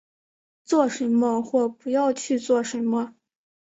做什么或不要去做什么